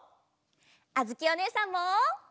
あづきおねえさんも！